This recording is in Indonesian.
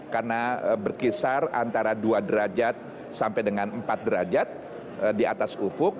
karena berkisar antara dua derajat sampai dengan empat derajat di atas ufuk